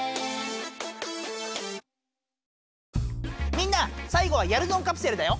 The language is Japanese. みんな最後はやるぞんカプセルだよ！